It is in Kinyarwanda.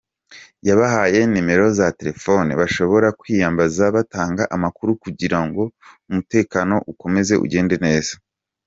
Yabahaye nimero za telefone bashobora kwiyambaza batanga amakuru kugira ngo umutekano ukomeze ugende neza.